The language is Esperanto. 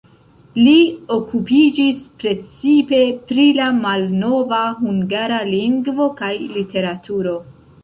Li okupiĝis precipe pri la malnova hungara lingvo kaj literaturo.